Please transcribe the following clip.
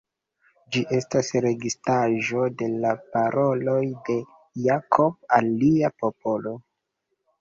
Ĝi estas registraĵo de la paroloj de Jakob al lia popolo.